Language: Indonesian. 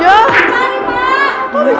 yaudah cari pak